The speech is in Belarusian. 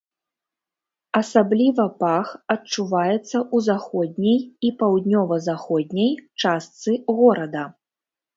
Асабліва пах адчуваецца ў заходняй і паўднёва-заходняй частцы горада.